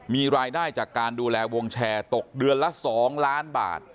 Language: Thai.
มีรายได้จากการดูแลวงแชร์ตกเดือนละ๒ล้านบาท